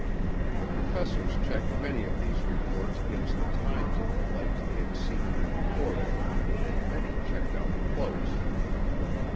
The professors checked many of these reports against the times of the flights they had seen and recorded, and many checked out close.